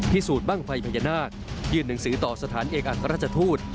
สูจนบ้างไฟพญานาคยื่นหนังสือต่อสถานเอกอัครราชทูต